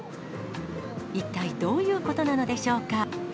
一体どういうことなのでしょうか。